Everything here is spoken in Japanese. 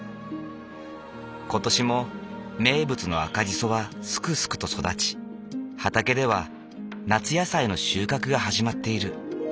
今年も名物の赤じそはすくすくと育ち畑では夏野菜の収穫が始まっている。